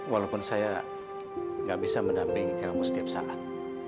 walaupun saya gak bisa mendampingi kamu setiap saat